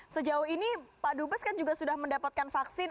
sejauh ini pak dubes kan juga sudah mendapatkan vaksin